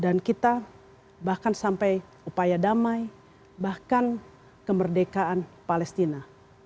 kita bahkan sampai upaya damai bahkan kemerdekaan palestina